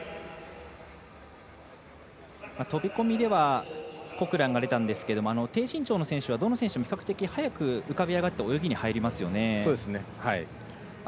飛び込みではコクランが出たんですけど低身長の選手は比較的速く浮かび上がって泳ぎに入りますよね。